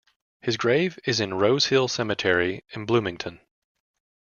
His grave is in Rose Hill Cemetery in Bloomington.